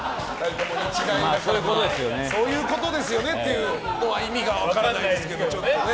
そういうことですよねっていうのは意味が分からないですけどね。